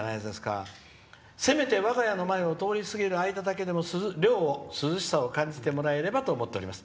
「せめて、我が家の前を通り過ぎる間だけでも涼しさを感じてもらえればと思います。